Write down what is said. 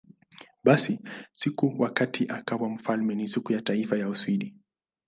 Basi, siku wakati akawa wafalme ni Siku ya Taifa ya Uswidi.